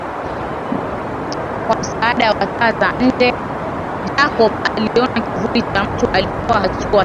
Kwa msaada wa taa za nje Jacob aliona kivuli cha mtu alikuwa hatua saba